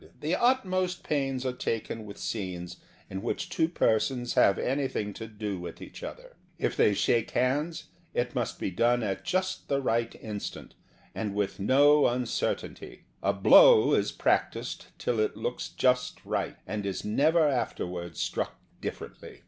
The utmost pains are taken with scenes in which two persons have any thing to do with each other. If they The Theatre and Its People 157 shake hands, it must be done at just the right instant and with no uncertainty. A blow is practised till it looks just right, and is never afterward struck differently.